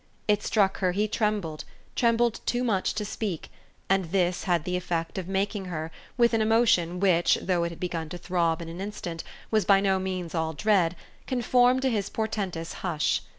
It struck her he trembled, trembled too much to speak, and this had the effect of making her, with an emotion which, though it had begun to throb in an instant, was by no means all dread, conform to his portentous hush.